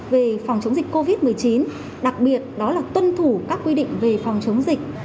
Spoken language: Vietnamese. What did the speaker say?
về phòng chống dịch covid một mươi chín đặc biệt đó là tuân thủ các quy định về phòng chống dịch